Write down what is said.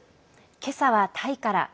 今朝はタイから。